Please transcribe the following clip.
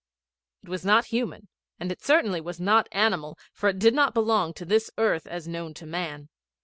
It was not human, and it certainly was not animal, for it did not belong to this earth as known to man.